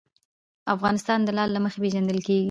افغانستان د لعل له مخې پېژندل کېږي.